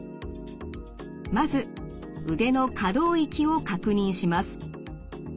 まず腕の可動域を確認します。